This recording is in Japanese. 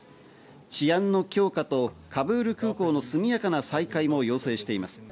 治安の強化とカブール空港の速やかな再開も要請しています。